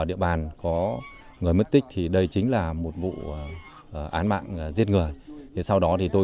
lúc này cuối cùng tôi bị bị hiểu về một cuộc điện thoại